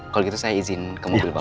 kalau gitu saya izin ke mobil bapak